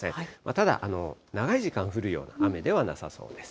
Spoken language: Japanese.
ただ、長い時間降るような雨ではなさそうです。